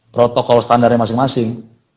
protokol standarnya masing masing